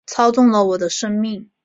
操纵了我的生命